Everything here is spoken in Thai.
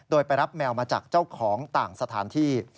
โดยไปรับแมวมาจากเจ้าของต่างสถานที่